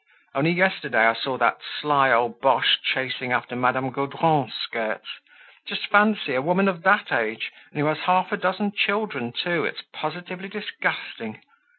Only yesterday I saw that sly old Boche chasing after Madame Gaudron's skirts. Just fancy! A woman of that age, and who has half a dozen children, too; it's positively disgusting!